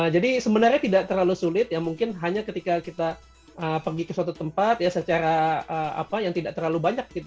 jadi sebenarnya tidak terlalu sulit ya mungkin hanya ketika kita pergi ke suatu tempat ya secara apa yang tidak terlalu banyak gitu ya